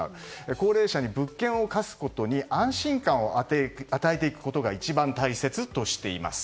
高齢者に物件を貸すことに安心感を与えていくことが一番大切としています。